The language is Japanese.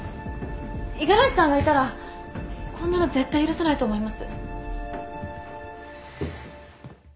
五十嵐さんがいたらこんなの絶対許さないと思います。